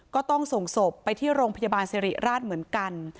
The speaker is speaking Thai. ก็ต้องส่งศพไปที่โรงพยาบาลสิริราชเหมือนกัน